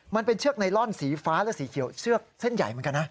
เชือกไนลอนสีฟ้าและสีเขียวเชือกเส้นใหญ่เหมือนกันนะ